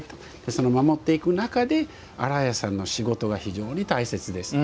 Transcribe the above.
その守っていく中で洗い屋さんの仕事が非常に大切です。